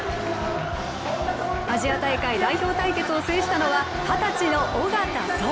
アジア大会代表対決を制したのは二十歳の小方颯！